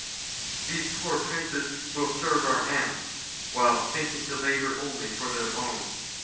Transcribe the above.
These poor princes will serve our ends, while " thinking to labour only for their own.